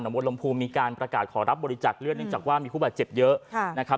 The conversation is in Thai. หนัววนลมพูมีการประกาศขอรับบริจักษ์เลือดเนื่องจากว่ามีผู้บาดเจ็บเยอะ